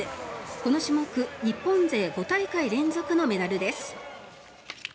この種目日本勢５大会連続のメダルです。